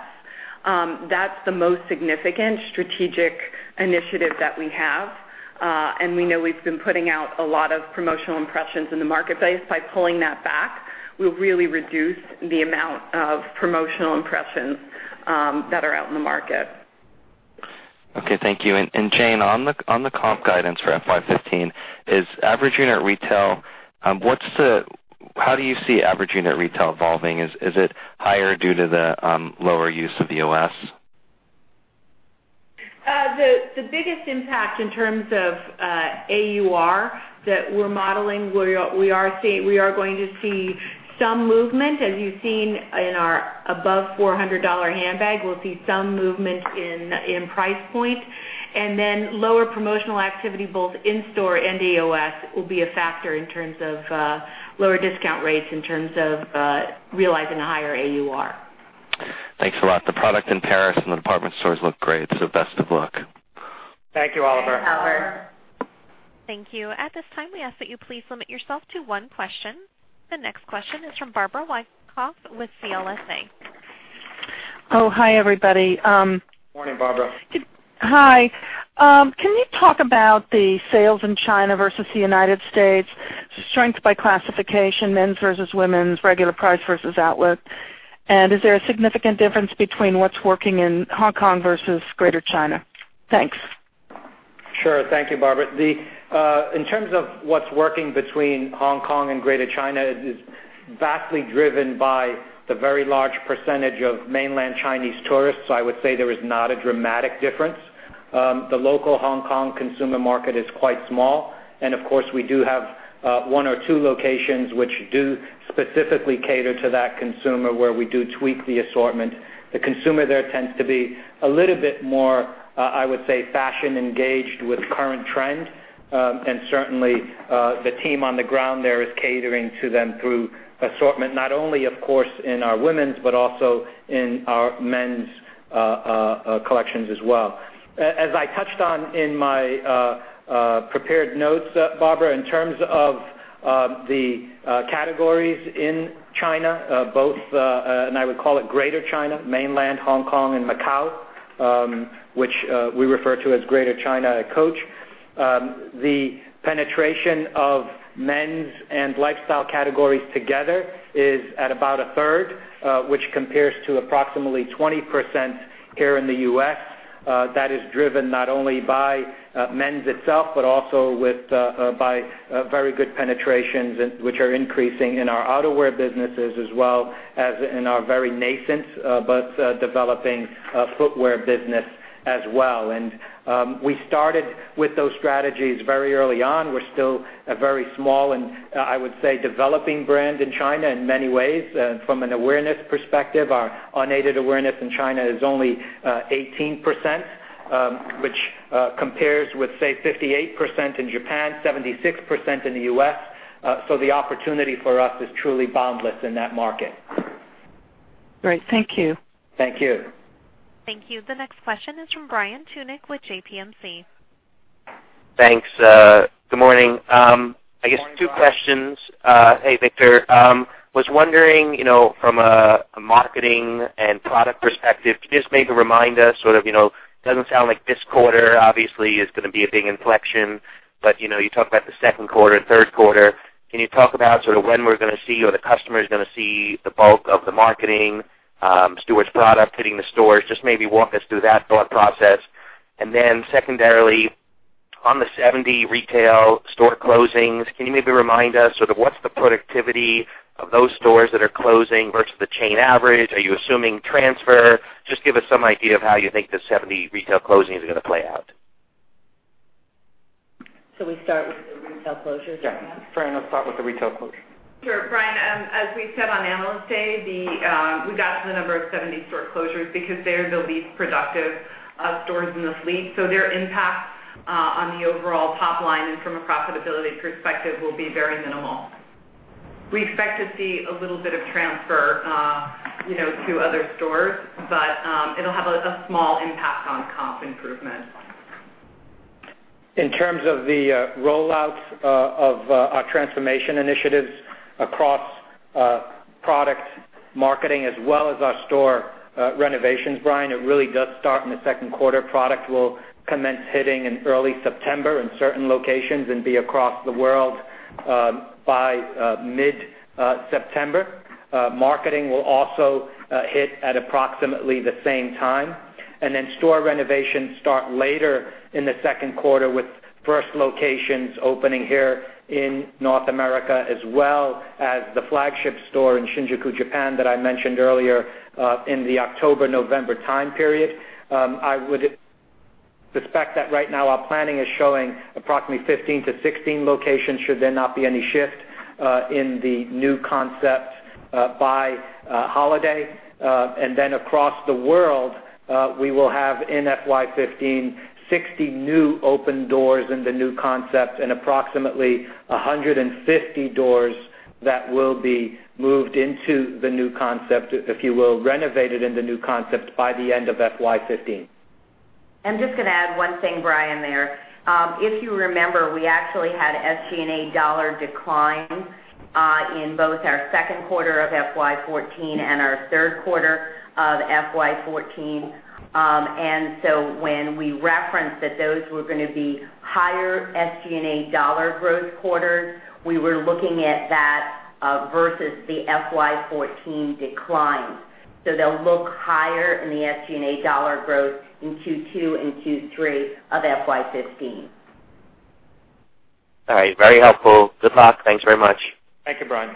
That's the most significant strategic initiative that we have, and we know we've been putting out a lot of promotional impressions in the marketplace. By pulling that back, we'll really reduce the amount of promotional impressions that are out in the market. Okay, thank you. Jane, on the comp guidance for FY 2015, how do you see average unit retail evolving? Is it higher due to the lower use of EOS? The biggest impact in terms of AUR that we're modeling, we are going to see some movement, as you've seen in our above $400 handbag. We'll see some movement in price point. Lower promotional activity, both in-store and EOS, will be a factor in terms of lower discount rates in terms of realizing a higher AUR. Thanks a lot. The product in Paris and the department stores look great, so best of luck. Thank you, Oliver. Thank you, Oliver. Thank you. At this time, we ask that you please limit yourself to one question. The next question is from Barbara Wyckoff with CLSA. Oh, hi, everybody. Morning, Barbara. Hi. Can you talk about the sales in China versus the U.S., strength by classification, men's versus women's, regular price versus outlet? Is there a significant difference between what's working in Hong Kong versus Greater China? Thanks. Sure. Thank you, Barbara. In terms of what's working between Hong Kong and Greater China, it is vastly driven by the very large percentage of mainland Chinese tourists. I would say there is not a dramatic difference. The local Hong Kong consumer market is quite small, and of course, we do have one or two locations which do specifically cater to that consumer, where we do tweak the assortment. The consumer there tends to be a little bit more, I would say, fashion engaged with current trends. Certainly, the team on the ground there is catering to them through assortment, not only, of course, in our women's, but also in our men's collections as well. As I touched on in my prepared notes, Barbara, in terms of the categories in China, and I would call it Greater China, Mainland, Hong Kong, and Macau, which we refer to as Greater China at Coach, the penetration of men's and lifestyle categories together is at about a third, which compares to approximately 20% here in the U.S. That is driven not only by men's itself, but also by very good penetrations, which are increasing in our outerwear businesses as well as in our very nascent but developing footwear business as well. We started with those strategies very early on. We're still a very small and, I would say, developing brand in China in many ways. From an awareness perspective, our unaided awareness in China is only 18%, which compares with, say, 58% in Japan, 76% in the U.S. The opportunity for us is truly boundless in that market. Great. Thank you. Thank you. Thank you. The next question is from Brian Tunick with JPMC. Thanks. Good morning. Good morning, Brian. I guess two questions. Hey, Victor. Was wondering, from a marketing and product perspective, could you just maybe remind us, doesn't sound like this quarter, obviously, is going to be a big inflection, but you talk about the second quarter, third quarter. Can you talk about when we're going to see or the customer's going to see the bulk of the marketing, Stuart's product hitting the stores? Just maybe walk us through that thought process. Secondarily, on the 70 retail store closings, can you maybe remind us what's the productivity of those stores that are closing versus the chain average? Are you assuming transfer? Just give us some idea of how you think the 70 retail closings are going to play out. Should we start with the retail closures, Victor? Yeah. Fran, let's start with the retail closures. Sure. Brian, as we said on Analyst Day, we got to the number of 70 store closures because they're the least productive stores in the fleet. Their impact on the overall top line and from a profitability perspective will be very minimal. We expect to see a little bit of transfer to other stores, but it'll have a small impact on comp improvement. In terms of the rollouts of our transformation initiatives across product marketing as well as our store renovations, Brian, it really does start in the second quarter. Product will commence hitting in early September in certain locations and be across the world by mid-September. Marketing will also hit at approximately the same time. Store renovations start later in the second quarter, with first locations opening here in North America, as well as the flagship store in Shinjuku, Japan, that I mentioned earlier, in the October-November time period. I would suspect that right now our planning is showing approximately 15-16 locations should there not be any shift in the new concept by holiday. Across the world, we will have, in FY 2015, 60 new open doors in the new concept and approximately 150 doors that will be moved into the new concept, if you will, renovated in the new concept by the end of FY 2015. I'm just going to add one thing, Brian, there. If you remember, we actually had SG&A dollar decline in both our second quarter of FY 2014 and our third quarter of FY 2014. When we referenced that those were going to be higher SG&A dollar growth quarters, we were looking at that versus the FY 2014 declines. They'll look higher in the SG&A dollar growth in Q2 and Q3 of FY 2015. All right. Very helpful. Good luck. Thanks very much. Thank you, Brian.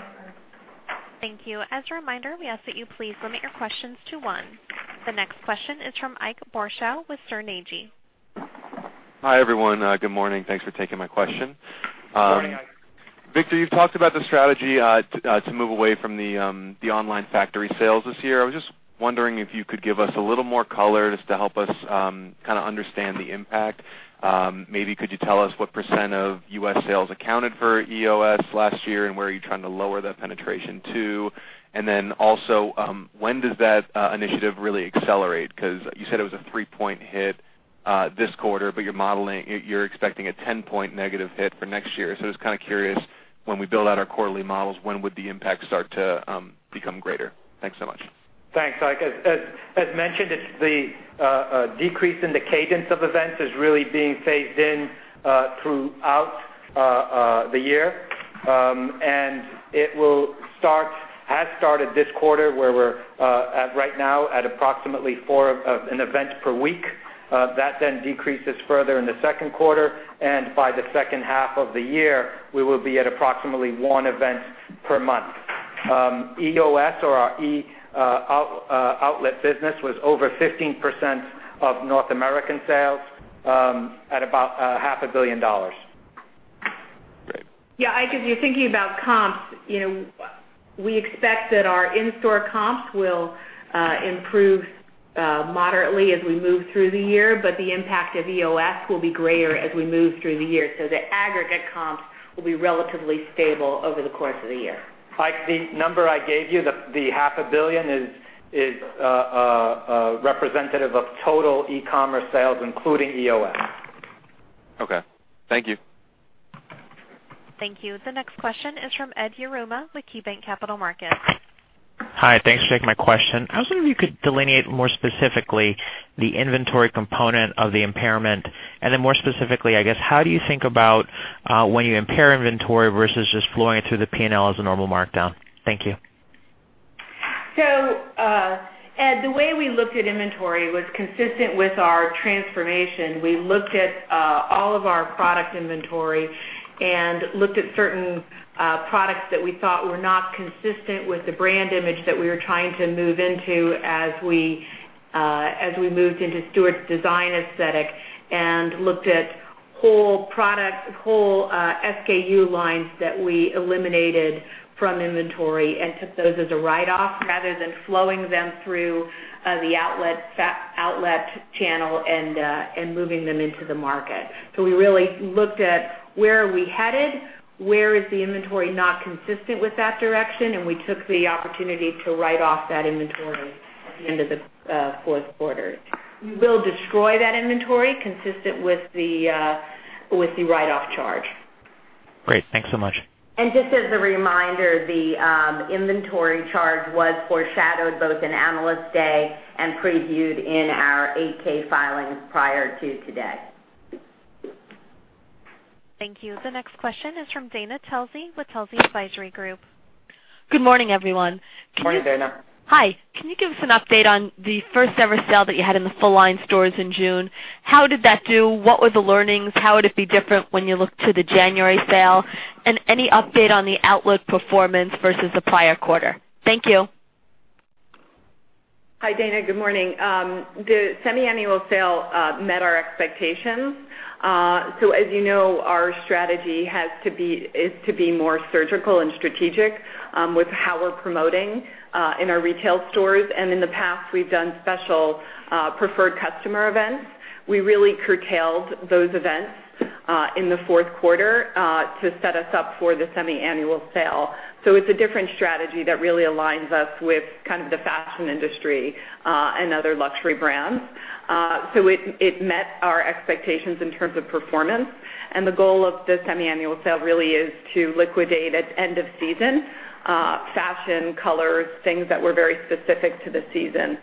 Thank you. As a reminder, we ask that you please limit your questions to one. The next question is from Ike Boruchow with Sterne Agee. Hi, everyone. Good morning. Thanks for taking my question. Morning, Ike. Victor, you've talked about the strategy to move away from the online factory sales this year. I was just wondering if you could give us a little more color just to help us understand the impact. Maybe could you tell us what % of U.S. sales accounted for EOS last year, and where are you trying to lower that penetration to? Also, when does that initiative really accelerate? You said it was a three-point hit this quarter, but you're expecting a 10-point negative hit for next year. Just kind of curious, when we build out our quarterly models, when would the impact start to become greater? Thanks so much. Thanks, Ike. As mentioned, the decrease in the cadence of events is really being phased in throughout the year. It has started this quarter, where we're at right now at approximately four of an event per week. That then decreases further in the second quarter, and by the second half of the year, we will be at approximately one event per month. EOS, or our e-outlet business, was over 15% of North American sales at about half a billion dollars. Great. Ike, if you're thinking about comps, we expect that our in-store comps will improve moderately as we move through the year. The impact of EOS will be greater as we move through the year. The aggregate comps will be relatively stable over the course of the year. Ike, the number I gave you, the half a billion, is representative of total e-commerce sales, including EOS. Okay. Thank you. Thank you. The next question is from Ed Yruma with KeyBanc Capital Markets. Hi. Thanks for taking my question. I was wondering if you could delineate more specifically the inventory component of the impairment, and then more specifically, I guess, how do you think about when you impair inventory versus just flowing it through the P&L as a normal markdown? Thank you. Ed, the way we looked at inventory was consistent with our transformation. We looked at all of our product inventory and looked at certain products that we thought were not consistent with the brand image that we were trying to move into as we moved into Stuart's design aesthetic. Looked at whole SKU lines that we eliminated from inventory and took those as a write-off rather than flowing them through the outlet channel and moving them into the market. We really looked at where are we headed, where is the inventory not consistent with that direction, and we took the opportunity to write off that inventory at the end of the fourth quarter. We will destroy that inventory consistent with the write-off charge. Great. Thanks so much. Just as a reminder, the inventory charge was foreshadowed both in Analyst Day and previewed in our 8-K filings prior to today. Thank you. The next question is from Dana Telsey with Telsey Advisory Group. Good morning, everyone. Morning, Dana. Hi. Can you give us an update on the first-ever sale that you had in the full-line stores in June? How did that do? What were the learnings? How would it be different when you look to the January sale? Any update on the outlet performance versus the prior quarter? Thank you. Hi, Dana. Good morning. The semiannual sale met our expectations. As you know, our strategy is to be more surgical and strategic with how we're promoting in our retail stores. In the past, we've done special preferred customer events. We really curtailed those events in the fourth quarter to set us up for the semiannual sale. It's a different strategy that really aligns us with the fashion industry and other luxury brands. It met our expectations in terms of performance, and the goal of the semiannual sale really is to liquidate at end of season. Fashion, colors, things that were very specific to the season.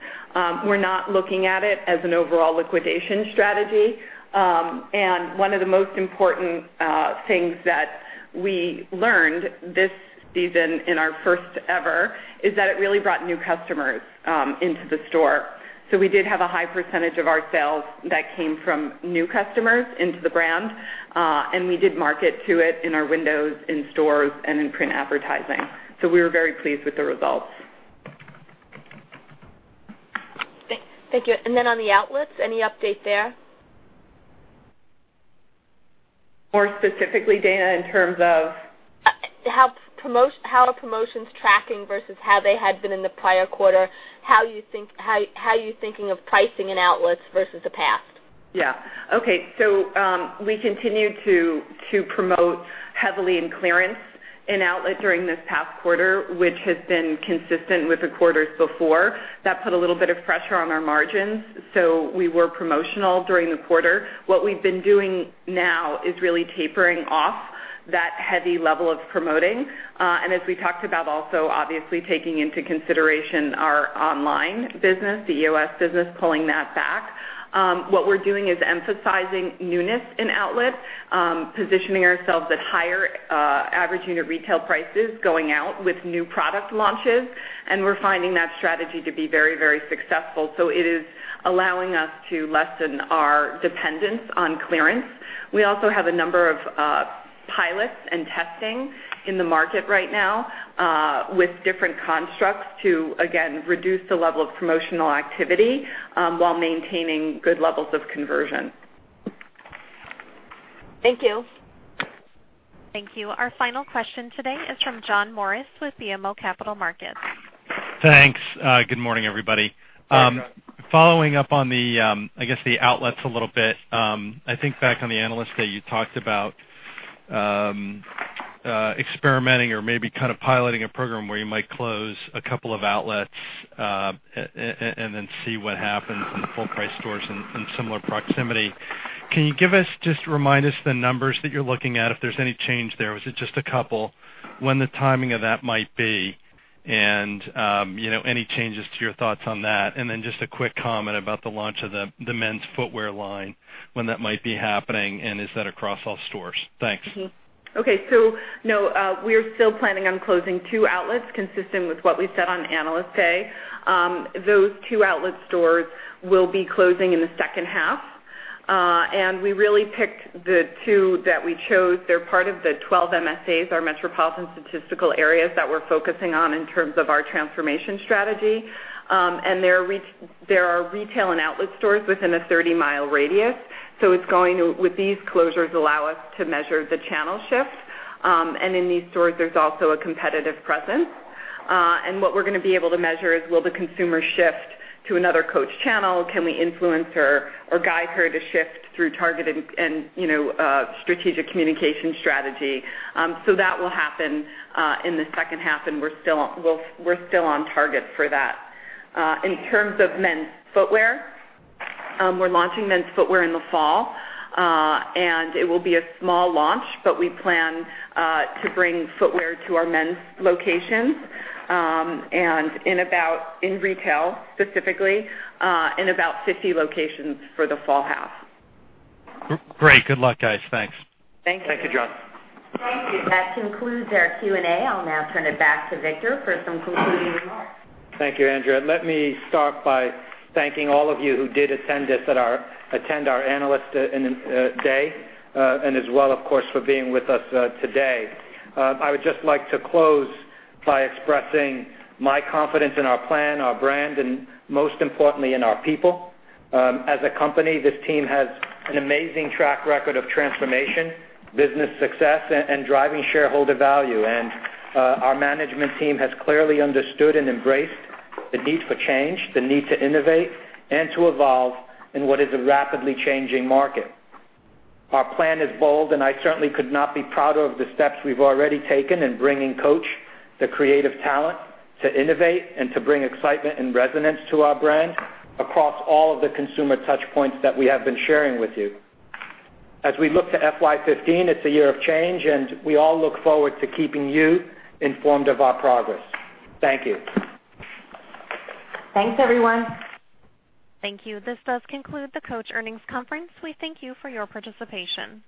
We're not looking at it as an overall liquidation strategy. One of the most important things that we learned this season in our first ever is that it really brought new customers into the store. We did have a high percentage of our sales that came from new customers into the brand. We did market to it in our windows, in stores, and in print advertising. We were very pleased with the results. Thank you. On the outlets, any update there? More specifically, Dana, in terms of? How are promotions tracking versus how they had been in the prior quarter? How are you thinking of pricing in outlets versus the past? We continued to promote heavily in clearance in outlet during this past quarter, which has been consistent with the quarters before. That put a little bit of pressure on our margins. We were promotional during the quarter. What we've been doing now is really tapering off that heavy level of promoting. As we talked about also, obviously, taking into consideration our online business, the EOS business, pulling that back. What we're doing is emphasizing newness in outlet, positioning ourselves at higher average unit retail prices, going out with new product launches, and we're finding that strategy to be very successful. It is allowing us to lessen our dependence on clearance. We also have a number of pilots and testing in the market right now with different constructs to, again, reduce the level of promotional activity while maintaining good levels of conversion. Thank you. Thank you. Our final question today is from John Morris with BMO Capital Markets. Thanks. Good morning, everybody. Morning, John. Following up on the outlets a little bit. I think back on the Analyst Day you talked about experimenting or maybe kind of piloting a program where you might close a couple of outlets, then see what happens in full price stores in similar proximity. Can you just remind us the numbers that you're looking at, if there's any change there? Was it just a couple? When the timing of that might be, and any changes to your thoughts on that? Just a quick comment about the launch of the men's footwear line, when that might be happening, and is that across all stores? Thanks. Okay. No, we are still planning on closing two outlets consistent with what we said on Analyst Day. Those two outlet stores will be closing in the second half. We really picked the two that we chose. They're part of the 12 MSAs, our Metropolitan Statistical Areas, that we're focusing on in terms of our transformation strategy. There are retail and outlet stores within a 30-mile radius. It's going to, with these closures, allow us to measure the channel shift. In these stores, there's also a competitive presence. What we're going to be able to measure is, will the consumer shift to another Coach channel? Can we influence her or guide her to shift through targeted and strategic communication strategy? That will happen in the second half, and we're still on target for that. In terms of men's footwear, we're launching men's footwear in the fall. It will be a small launch, but we plan to bring footwear to our men's locations in retail, specifically, in about 50 locations for the fall half. Great. Good luck, guys. Thanks. Thank you. Thank you, John. Thank you. That concludes our Q&A. I'll now turn it back to Victor for some concluding remarks. Thank you, Andrea. Let me start by thanking all of you who did attend our Analyst Day, as well, of course, for being with us today. I would just like to close by expressing my confidence in our plan, our brand, and most importantly, in our people. As a company, this team has an amazing track record of transformation, business success, and driving shareholder value. Our management team has clearly understood and embraced the need for change, the need to innovate, and to evolve in what is a rapidly changing market. Our plan is bold, I certainly could not be prouder of the steps we've already taken in bringing Coach the creative talent to innovate and to bring excitement and resonance to our brand across all of the consumer touchpoints that we have been sharing with you. As we look to FY 2015, it's a year of change, we all look forward to keeping you informed of our progress. Thank you. Thanks, everyone. Thank you. This does conclude the Coach earnings conference. We thank you for your participation.